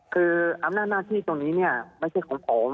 คืออำนาจหน้าที่ตรงนี้เนี่ยไม่ใช่ของผม